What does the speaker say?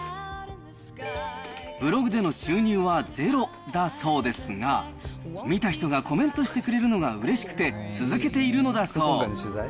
ブログでの収入はゼロだそうですが、見た人がコメントしてくれるのがうれしくて続けているのだそう。